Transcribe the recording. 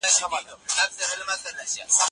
بي بي أم الدرداء څه فرمايي؟